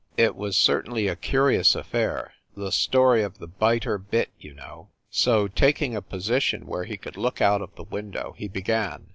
"It was certainly a curious af fair. The story of a biter bit/ you know." So, taking a position where he could look out of the window, he began.